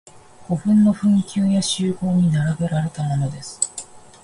古墳の墳丘や周濠に並べられたものです。